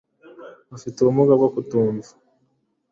bafite ubumuga bwo kutumva